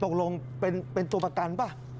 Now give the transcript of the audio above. ตกลงเป็นตัวประกันป่ะ